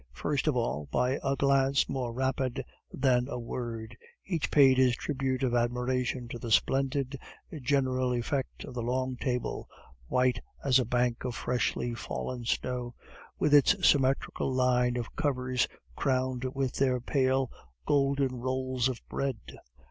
First of all, by a glance more rapid than a word, each paid his tribute of admiration to the splendid general effect of the long table, white as a bank of freshly fallen snow, with its symmetrical line of covers, crowned with their pale golden rolls of bread.